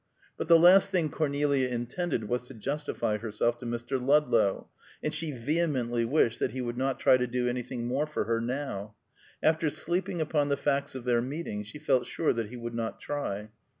But the last thing Cornelia intended was to justify herself to Mr. Ludlow, and she vehemently wished he would not try to do anything more for her, now. After sleeping upon the facts of their meeting she felt sure that he would not try.